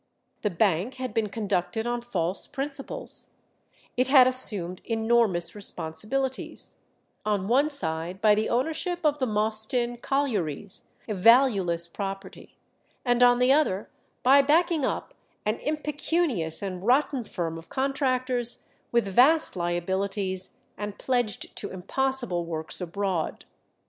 The bank had been conducted on false principles; it had assumed enormous responsibilities on one side by the ownership of the Mostyn collieries, a valueless property, and on the other by backing up an impecunious and rotten firm of contractors with vast liabilities and pledged to impossible works abroad.